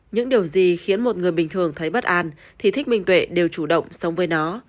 những điều gì khiến một người bình thường thấy bất an thì thích minh tuệ đều chủ động sống với nó